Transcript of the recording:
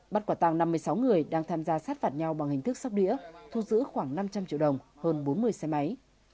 bắt quả tăng năm mươi sáu người đang tham gia sát phạt nhau bằng hình thức sóc đĩa thu giữ khoảng năm trăm linh triệu đồng hơn bốn mươi xe máy